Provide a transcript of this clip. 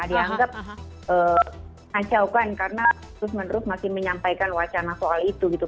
dianggap acaukan karena terus menerus masih menyampaikan wacana soal itu gitu